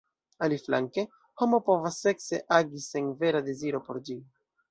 Aliflanke, homo povas sekse agi sen vera deziro por ĝi.